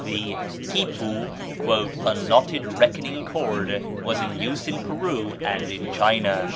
The "quipu," a knotted reckoning cord, was in use in Peru and in China.